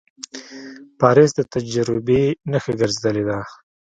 پاریس د تجربې نښه ګرځېدلې ده.